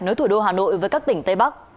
nối thủ đô hà nội với các tỉnh tây bắc